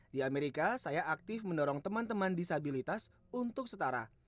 di amerika saya aktif mendorong teman teman disabilitas untuk setara